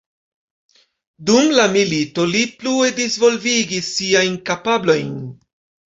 Dum la milito li plue disvolvigis siajn kapablojn.